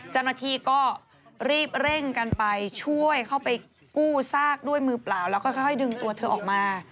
เจ้าหน้าที่ก็รีบเร่งกันไปช่วยเข้าไปกู้ซากด้วยมือเปล่าแล้วก็ค่อยดึงตัวเธอออกมา